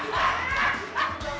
lepas dia malam